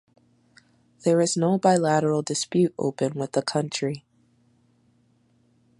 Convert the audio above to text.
There is no bilateral dispute open with the country.